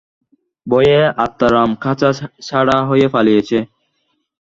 ভয়ে আত্নারাম খাঁচা ছাড়া হয়ে পালিয়েছে।